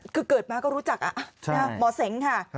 คือเกิดมาก็รู้จักหมอเสงค่ะ